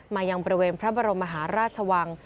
ยังบริเวณพระบรมมหาราชวัง